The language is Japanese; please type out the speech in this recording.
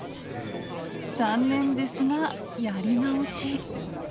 残念ですがやり直し。